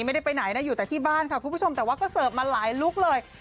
ไม่ได้ไปไหนนะอยู่แต่ที่บ้านค่ะคุณผู้ชมแต่ว่าก็เสิร์ฟมาหลายลุคเลย